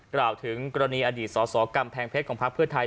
กราบถึงกรณีอดีตสอสอกำแพงเพชรของพรรคพืชไทย